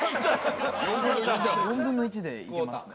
４分の１でいけますね。